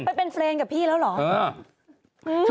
ไปเป็นเฟรนดกับพี่แล้วเหรอ